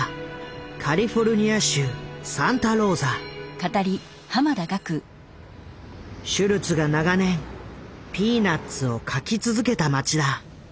カリフォルニア州シュルツが長年「ピーナッツ」を描き続けた町だ。